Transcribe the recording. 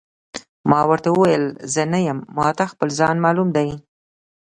ما ورته وویل: زه نه یم، ما ته خپل ځان معلوم دی.